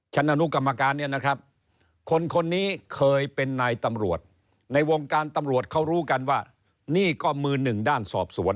อนุกรรมการเนี่ยนะครับคนคนนี้เคยเป็นนายตำรวจในวงการตำรวจเขารู้กันว่านี่ก็มือหนึ่งด้านสอบสวน